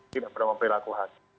tidak pernah memperilaku hakim